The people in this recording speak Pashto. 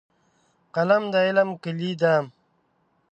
قلم د علم کیلي ده.